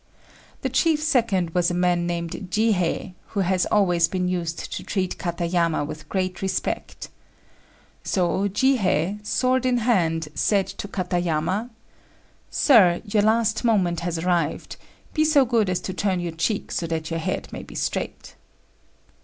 The chief second was a man named Jihei, who had always been used to treat Katayama with great respect. So Jihei, sword in hand, said to Katayama, "Sir, your last moment has arrived: be so good as to turn your cheek so that your head may be straight."